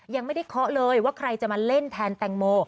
ยังไม่ได้เคาะเลยว่าใครจะมาเล่นแทนแตงโม